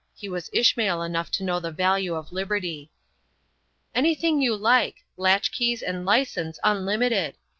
He was Ishmael enough to know the value of liberty. "Anything you like; latch keys and license unlimited.